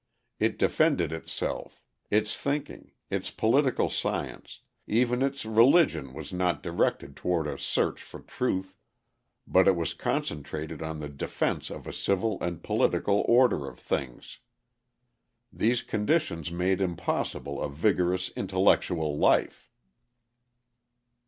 It defended itself: its thinking, its political science, even its religion was not directed toward a search for truth, but it was concentrated on the defence of a civil and political order of things. These conditions made impossible a vigorous intellectual life."